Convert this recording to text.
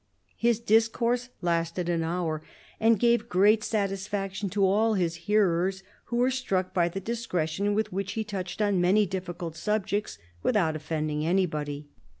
His discourse lasted an hour, and gave great satisfaction to all his hearers, who were struck by the discretion with which he touched on many difficult subjects "without oflFending anybody."